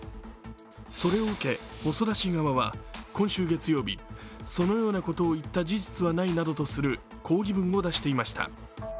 それを受け細田氏側は今週月曜日、そのようなことを言った事実はないなどとする抗議文を出していました。